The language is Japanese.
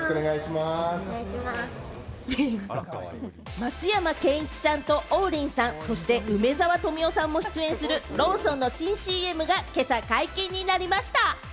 松山ケンイチさんと、王林さん、そして梅沢富美男さんも出演するローソンの新ＣＭが今朝解禁になりました。